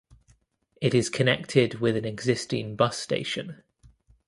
It is connected with an existing bus station.